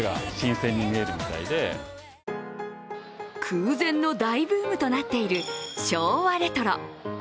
空前の大ブームとなっている昭和レトロ。